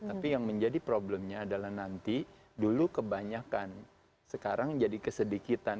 tapi yang menjadi problemnya adalah nanti dulu kebanyakan sekarang jadi kesedikitan